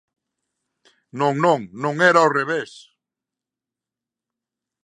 Non, non, non era ao revés.